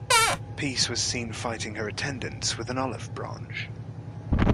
Peace was seen fighting her attendants with an olive branch.